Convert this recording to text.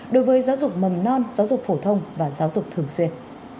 đối với giáo dục mầm non giáo dục phổ thông và giáo dục thường xuyên